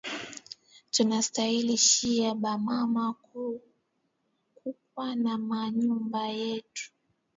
Tunastaili shiye ba mama kukwa na ma nyumba yetu